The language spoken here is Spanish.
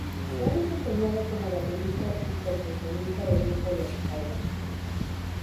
Se ha desempeñado como baterista y percusionista del grupo Los Jaivas.